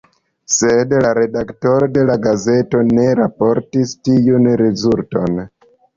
Sed la redaktoro de la gazeto ne raportis tiun rezulton.